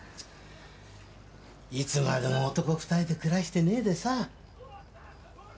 いつまでも男二人で暮らしてねえでさ。